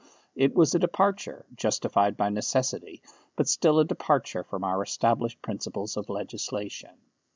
It was a departure, justified by necessity, but still a departure from our established principles of legislation.